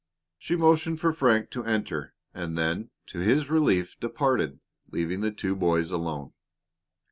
She motioned for Frank to enter and then, to his relief, departed, leaving the two boys alone.